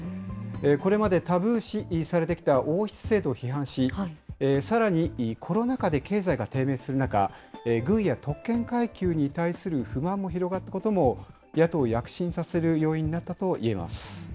これまでタブー視されてきた王室制度を批判し、さらにコロナ禍で経済が低迷する中、軍や特権階級に対する不満も広がったことも、野党を躍進させる要因になったといえます。